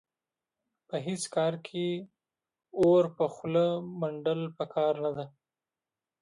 په هېڅ کار کې اور په خوله منډل په کار نه دي.